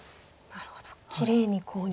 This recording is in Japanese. なるほどきれいにコウに。